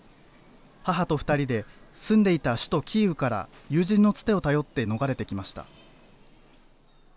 母と２人で住んでいた首都キーウから友人のつてを頼って逃れてきました。